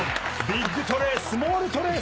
ビッグトレイスモールトレイ。